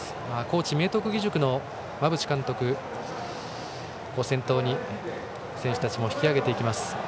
明徳義塾の馬淵監督を先頭に選手たちも引き上げていきます。